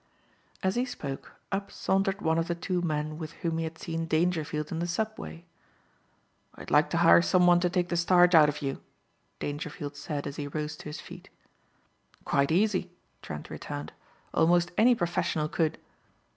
As he spoke up sauntered one of the two men with whom he had seen Dangerfield in the subway. "I'd like to hire some one to take the starch out of you," Dangerfield said as he rose to his feet. "Quite easy," Trent returned, "almost any professional could."